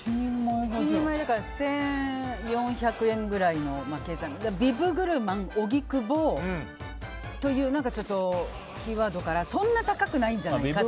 １人前だから１４００円くらいの計算になってビブグルマン、荻窪というキーワードからそんな高くないんじゃないかと。